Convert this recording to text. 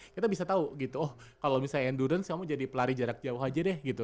kita bisa tahu gitu oh kalau misalnya endurance kamu jadi pelari jarak jauh aja deh gitu